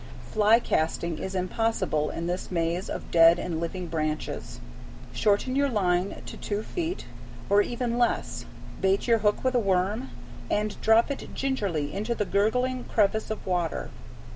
Fly casting is impossible in this maze of dead and living branches. Shorten your line to two feet, or even less, bait your hook with a worm, and drop it gingerly into that gurgling crevice of water.